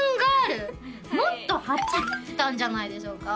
もっとはっちゃけてたんじゃないでしょうか？